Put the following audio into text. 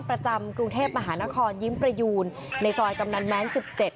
กรุงเทพมหานครยิ้มประยูนในซอยกำนันแมนสิบเจ็ด